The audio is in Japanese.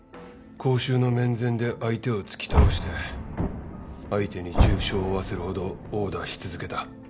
公衆の面前で相手を突き倒して相手に重傷を負わせるほど殴打し続けた。